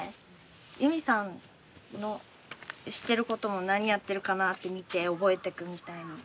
ユミさんのしてることも何やってるかな？って見て覚えていくみたいな。